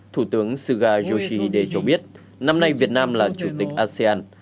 thủ tướng suga yoshihide cho biết năm nay việt nam là chủ tịch asean